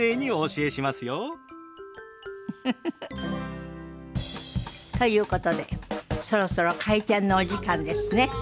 ウフフフ。ということでそろそろ開店のお時間ですね。